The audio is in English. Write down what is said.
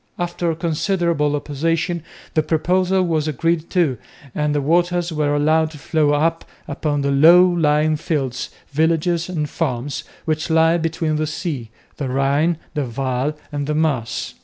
After considerable opposition the proposal was agreed to and the waters were allowed to flow out upon the low lying fields, villages and farms, which lie between the sea, the Rhine, the Waal and the Maas.